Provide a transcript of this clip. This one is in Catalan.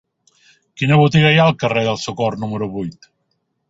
Quina botiga hi ha al carrer del Socors número vuit?